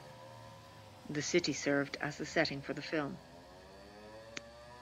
The city served as the setting for the film.